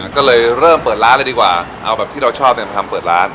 ก็เลยเริ่มเปิดร้านเลยดีกว่าเอาแบบที่เราชอบมาทำเปิดร้าน